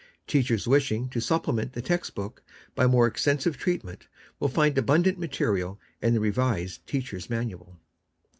Teachers wishing to supplement the text book by more extensi^'e treatment, will find abundant material in the revised Teachers' Manual.